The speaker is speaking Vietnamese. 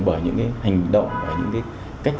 bởi những hành động và những cách